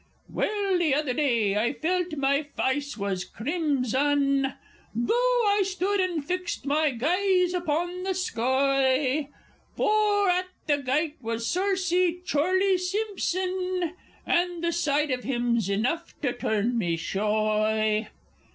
Well, the other day I felt my fice was crimson, Though I stood and fixed my gyze upon the skoy, For at the gyte was sorcy Chorley Simpson, And the sight of him's enough to turn me shoy.